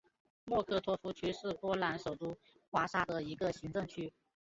莫科托夫区是波兰首都华沙的一个行政区。